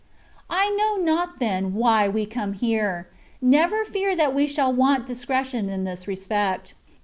I know not, then, why we come here ; never fear that we shall want discretion in this respect.